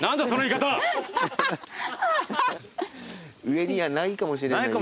上にはないかもしれないよ。